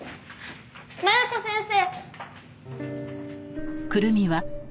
麻弥子先生！